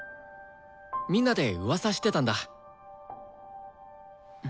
みんなでうわさしてたんだ。